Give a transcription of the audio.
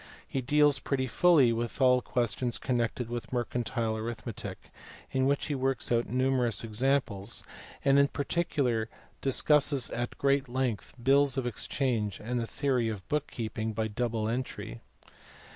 He deals pretty fully with all questions connected with mercantile arithmetic, in which he works out numerous examples, and in particular discusses at great length bills of exchange and the theory of book keeping by double entry.